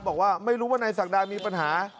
บอกว่าไม่รู้ว่านายศักดามีปัญหา